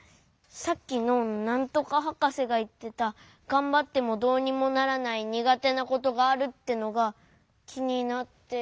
さっきのなんとかはかせがいってた「がんばってもどうにもならないにがてなことがある」ってのがきになって。